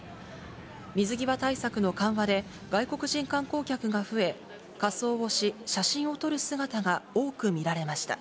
水際対策の緩和で、外国人観光客が増え、仮装をし、写真を撮る姿が多く見られました。